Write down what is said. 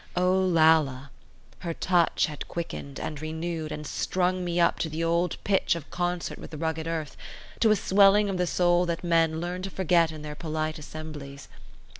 Olalla! Her touch had quickened, and renewed, and strung me up to the old pitch of concert with the rugged earth, to a swelling of the soul that men learn to forget in their polite assemblies.